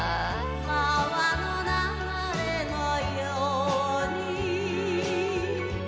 「川の流れのように」